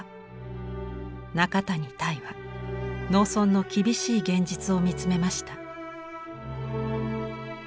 中谷泰は農村の厳しい現実を見つめました。